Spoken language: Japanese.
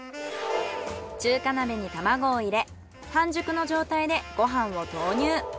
中華鍋に卵を入れ半熟の状態でご飯を投入。